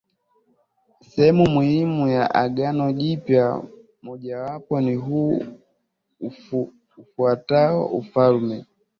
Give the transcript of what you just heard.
sehemu muhimu wa Agano Jipya Mmojawapo ni huu ufuatao Ufalme